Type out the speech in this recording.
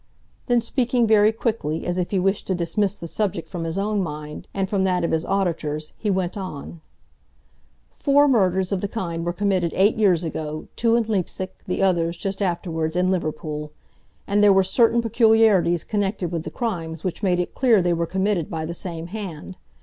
Then, speaking very quickly, as if he wished to dismiss the subject from his own mind, and from that of his auditors, he went on: "Four murders of the kind were committed eight years ago—two in Leipsic, the others, just afterwards, in Liverpool,—and there were certain peculiarities connected with the crimes which made it clear they were committed by the same hand.